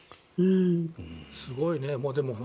すごいね。